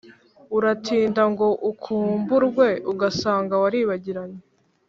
Uratinda ngo ukumburwe, ugasanga waribagiranye.